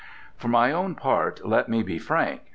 For my own part, let me be frank.